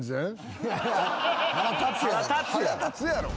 腹立つやろ！？